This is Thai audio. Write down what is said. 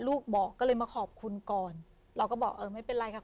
ลูกบอกก็เลยมาขอบคุณก่อนเราก็บอกเออไม่เป็นไรค่ะ